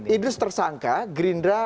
idrus tersangka gerindra